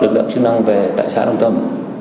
lực lượng chức năng về tại xã đồng tâm